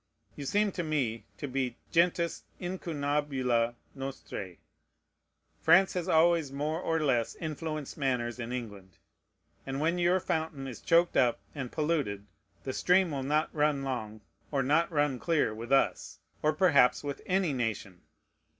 You seem to me to be gentis incunabula nostræ. France has always more or less influenced manners in England; and when your fountain is choked up and polluted, the stream will not run long or not run clear with us, or perhaps with any nation.